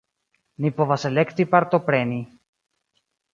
Ni povas elekti partopreni.